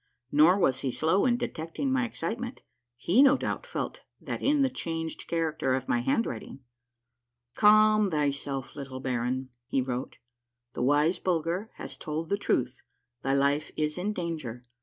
Nor was he slow in detecting my excitement. He, no doubt, felt that in the changed character of my handwriting. A MARVELLOUS UNDERGROUND JOURNEY 135 " Calm thyself, little baron," he wrote. " The wise Bulger has told thee the truth. Thy life is in danger.